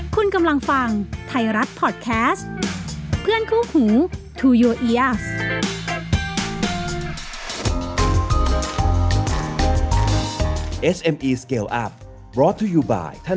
สวัสดีครับ